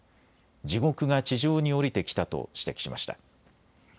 地獄が地上に降りてきたと指摘しました。